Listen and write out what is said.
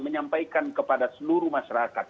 menyampaikan kepada seluruh masyarakat